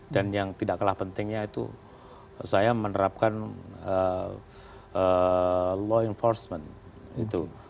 dan yang tidak kalah pentingnya itu saya menerapkan law enforcement